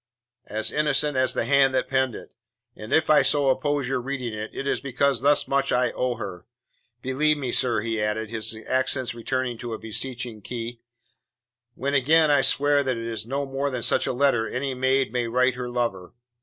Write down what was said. "As innocent as the hand that penned it, and if I so oppose your reading it, it is because thus much I owe her. Believe me, sir," he added, his accents returning to a beseeching key, "when again I swear that it is no more than such a letter any maid may write her lover.